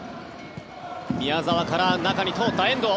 宮澤から中に通った、遠藤。